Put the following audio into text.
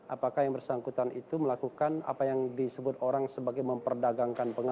apakah yang bersangkutan itu melakukan apa yang disebut orang sebagai memperdagangkan penggunaan